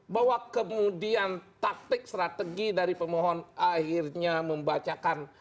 bahwa kemudian taktik strategi dari pemohon akhirnya membacakan